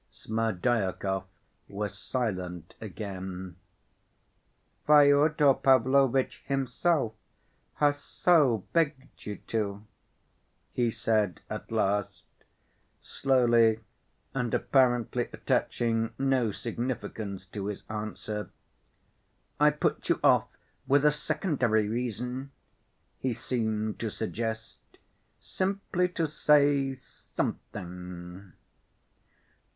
Smerdyakov was silent again. "Fyodor Pavlovitch himself has so begged you to," he said at last, slowly and apparently attaching no significance to his answer. "I put you off with a secondary reason," he seemed to suggest, "simply to say something."